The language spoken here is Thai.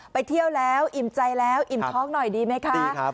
ไปเที่ยวแล้วอิ่มใจแล้วอิ่มท้องหน่อยดีไหมคะ